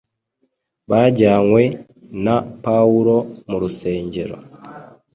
bajyanywe na Pawulo mu rusengero